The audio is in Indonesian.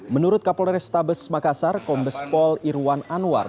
menurut kapolres tabes makassar kombes pol irwan anwar